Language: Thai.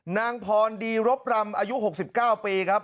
นางพรดีรบรำอายุ๖๙ปีครับ